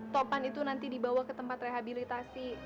topan itu nanti dibawa ke tempat rehabilitasi